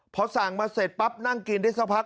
พอสั่งมาเสร็จปั๊บนั่งกินได้สักพัก